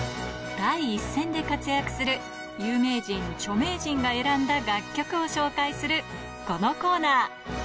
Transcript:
第一線で活躍する有名人、著名人が選んだ楽曲を紹介するこのコーナー。